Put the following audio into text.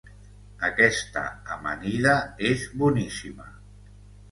Aquesta amanida és boníssima.